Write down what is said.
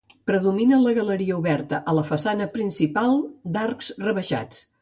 Predomina la galeria oberta a la façana principal d'arcs rebaixats.